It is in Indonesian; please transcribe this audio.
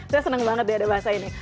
saya senang banget deh ada bahasa ini